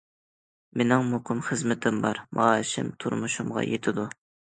مېنىڭ مۇقىم خىزمىتىم بار، مائاشىم تۇرمۇشۇمغا يېتىدۇ.